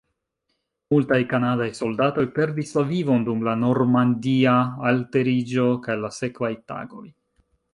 Multaj kanadaj soldatoj perdis la vivon dum la Normandia alteriĝo kaj la sekvaj tagoj.